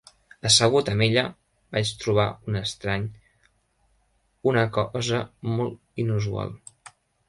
Assegut amb ella, vaig trobar un estrany, una cosa molt inusual.